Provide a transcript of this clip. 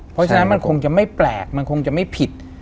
เพราะฉะนั้นมันคงจะไม่แปลกมันคงจะไม่ผิด